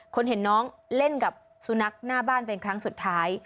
เห็นน้องเล่นกับสุนัขหน้าบ้านเป็นครั้งสุดท้าย